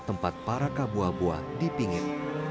tempat para kabua buah dipingit